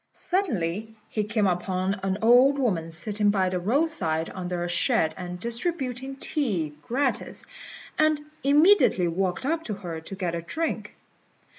Suddenly he came upon an old woman sitting by the roadside under a shed and distributing tea gratis, and immediately walked up to her to get a drink.